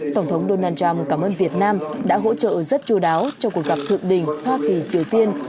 tổng thống donald trump cảm ơn việt nam đã hỗ trợ rất chú đáo cho cuộc gặp thượng đỉnh hoa kỳ triều tiên